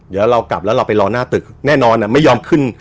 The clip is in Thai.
เดี๋ยวเรากลับแล้วเราไปรอหน้าตึกแน่นอนไม่ยอมขึ้น